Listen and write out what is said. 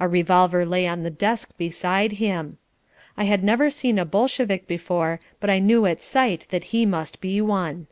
A revolver lay on the desk beside him. I had never seen a Bolshevik before but I knew at sight that he must be one.